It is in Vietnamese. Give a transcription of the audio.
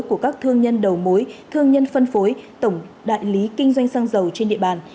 của các thương nhân đầu mối thương nhân phân phối tổng đại lý kinh doanh xăng dầu trên địa bàn